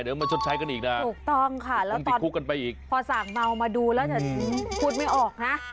เดี๋ยวมาชดใช้กันอีกนะครับต้องติดคุกกันไปอีกถูกต้องค่ะแล้วตอนพอสั่งเมามาดูแล้วจะพูดไม่ออกนะ